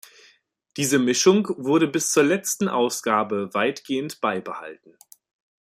Diese Mischung wurde bis zur letzten Ausgabe weitgehend beibehalten.